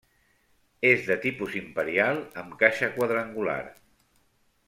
És de tipus imperial amb caixa quadrangular.